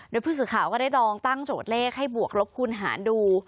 โดยผู้สื่อข่าวก็ได้ลองตั้งโจทย์เลขให้บวกลบคูณหารดู